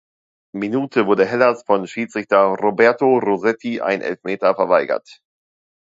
Minute wurde Hellas von Schiedsrichter Roberto Rosetti ein Elfmeter verweigert.